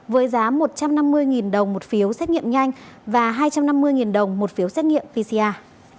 với giá một trăm năm mươi đồng một phiếu xét nghiệm nhanh và hai trăm năm mươi đồng một phiếu xét nghiệm pcr